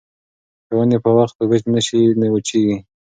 که ونې په وخت اوبه نه شي نو وچېږي.